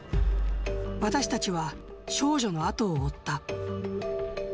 私たちは、少女の後を追った。